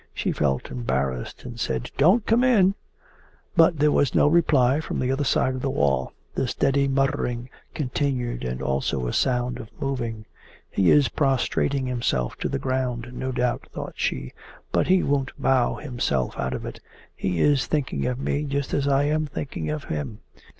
She felt embarrassed and said: 'Don't come in!' But there was no reply from the other side of the wall. The steady muttering continued and also a sound of moving. 'He is prostrating himself to the ground, no doubt,' thought she. 'But he won't bow himself out of it. He is thinking of me just as I am thinking of him.